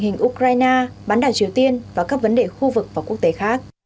ngoài ra hai bên còn thảo luận tình hình ukraine bán đảo triều tiên và các vấn đề khu vực và quốc tế khác